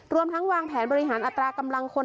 รวมทั้งวางแผนบริหารอัตรากำลังคน